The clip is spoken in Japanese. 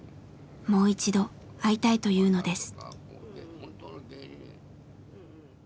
もう一度会いたいというのです。